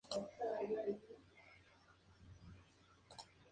Generar contenidos accesibles es ahora mucho más sencillo.